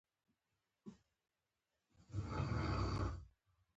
د قوانینو او مقرراتو سمون اساسی اړتیا ده.